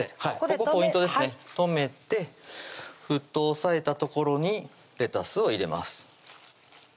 ここポイントですね止めて沸騰抑えた所にレタスを入れます